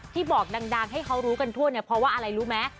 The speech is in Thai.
ที่บอกดังให้เขารู้กันทั่วเนี่ยเพราะว่าอะไรรู้ไหม